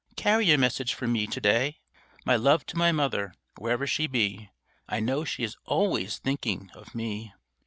Carry a message for me to day: My love to my mother, wherever she be, I know she is always thinking of me_."